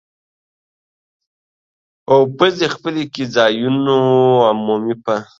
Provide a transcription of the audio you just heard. او پزې خپلې کې ځایونو عمومي په